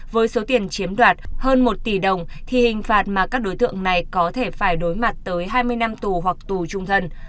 với số tiền chiếm đoạt hơn một tỷ đồng thì hình phạt mà các đối tượng này có thể phải đối mặt tới hai mươi năm tù hoặc tù trung thân